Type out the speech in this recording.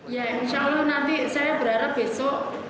ya insya allah nanti saya berharap besok